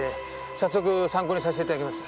早速参考にさせて頂きます。